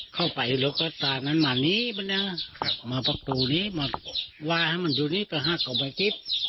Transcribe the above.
เข้าไปแล้วก็ตามันมานี้ป่ะเนี่ยมาปากตัวนี้มาว่าให้มันอยู่นี้ก็ห้ากลับไปกิ๊บ